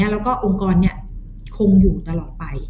แล้วก็องค์กรคงอยู่ตลอดไป